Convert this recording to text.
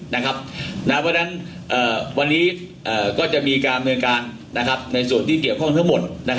เพราะฉะนั้นวันนี้ก็จะมีการดำเนินการในส่วนที่เกี่ยวข้องทั้งหมด